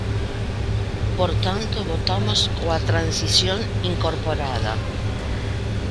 Por tanto, votamos coa transacción incorporada.